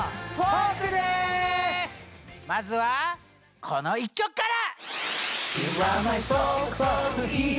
まずはこの一曲から！